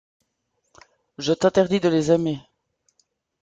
Je t’interdis de les aimer.